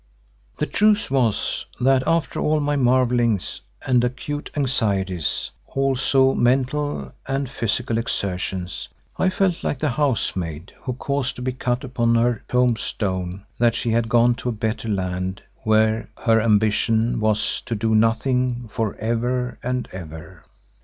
The truth was that after all my marvellings and acute anxieties, also mental and physical exertions, I felt like the housemaid who caused to be cut upon her tombstone that she had gone to a better land where her ambition was to do nothing "for ever and ever."